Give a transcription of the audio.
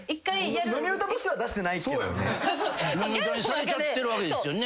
飲み歌にされちゃってるわけですよね。